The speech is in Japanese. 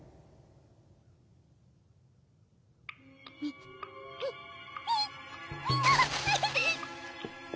みみみみんな・・